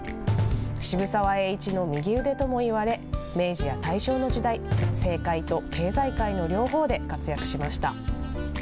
渋沢栄一の右腕ともいわれ、明治や大正の時代、政界と経済界の両方で活躍しました。